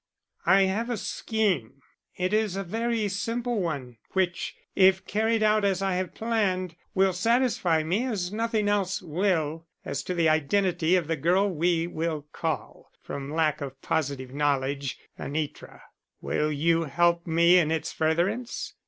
I have a scheme (it is a very simple one) which, if carried out as I have planned, will satisfy me as nothing else will as to the identity of the girl we will call, from lack of positive knowledge, Anitra. Will you help me in its furtherance?